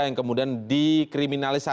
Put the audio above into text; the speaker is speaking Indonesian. yang kemudian dikriminalisasi